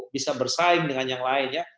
bisa bersaing dengan yang lain ya